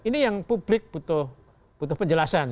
ini yang publik butuh penjelasan